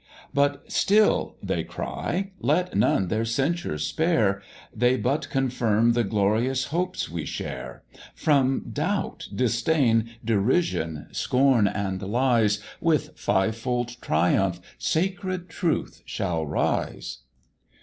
"But still," they cry, "let none their censures spare. They but confirm the glorious hopes we share; From doubt, disdain, derision, scorn, and lies, With five fold triumph sacred Truth shall rise."